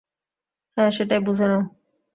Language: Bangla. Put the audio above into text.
হ্যাঁ, সেটাই বুঝে নাও।